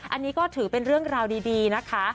อันนี้ก็ถือเป็นเรื่องราวดีนะคะ